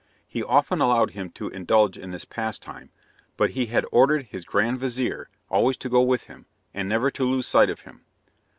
He often allowed him to indulge in this pastime, but he had ordered his grand vizir always to go with him, and never to lose sight of him.